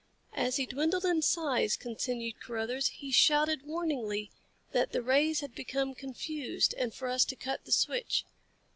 "As he dwindled in size," continued Carruthers, "he shouted warningly that the rays had become confused and for us to cut the switch.